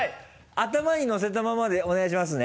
頭にのせたままでお願いしますね。